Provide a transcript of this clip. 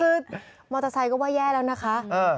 คือมอเตอร์ไซค์ก็ว่าแย่แล้วนะคะ